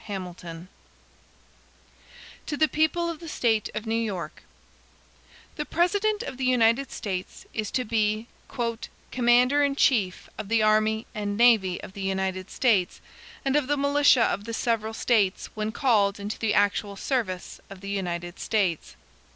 HAMILTON To the People of the State of New York: THE President of the United States is to be "commander in chief of the army and navy of the United States, and of the militia of the several States when called into the actual service of the United States."